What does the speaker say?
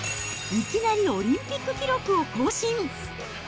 いきなりオリンピック記録を更新。